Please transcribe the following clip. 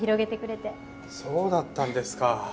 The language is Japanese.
そうだったんですか。